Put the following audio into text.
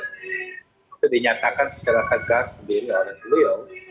itu dinyatakan secara tegas sendiri oleh beliau